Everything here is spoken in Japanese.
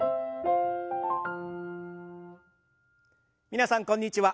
皆さんこんにちは。